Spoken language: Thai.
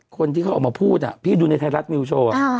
คนที่เขาออกมาพูดพี่ดูในไทยรัฐนิวโชว์